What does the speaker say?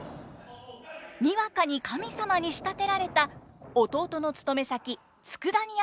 にわかに神様に仕立てられた弟の勤め先佃煮屋の主人。